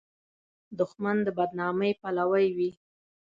دښمن د بد نامۍ پلوی وي